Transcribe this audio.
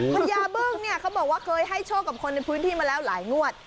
พญาบึ้งเนี่ยเขาบอกว่าเคยให้โชคกับคนในพื้นที่มาแล้วหลายงวด